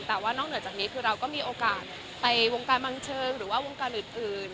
แต่ว่านอกเหนือจากนี้คือเราก็มีโอกาสไปวงการบันเทิงหรือว่าวงการอื่น